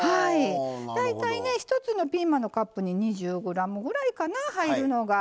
大体１つのピーマンのカップに２０ｇぐらいかな入るのが。